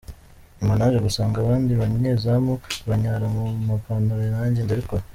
Nyuma naje gusanga abandi banyezamu banyara mu mapantalo nanjye ndabikora.